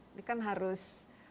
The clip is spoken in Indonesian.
ini kan harus